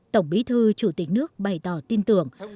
tổng bí thư chủ tịch nước bày tỏ tin tưởng